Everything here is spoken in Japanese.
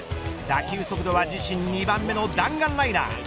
打球速度は自身２番目の弾丸ライナー。